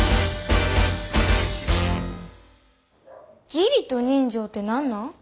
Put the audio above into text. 義理と人情って何なん？